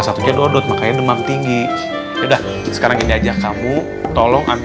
sampai jumpa di video selanjutnya